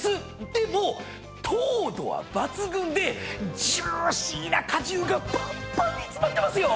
でも糖度は抜群でジューシーな果汁がぱんぱんに詰まってますよ！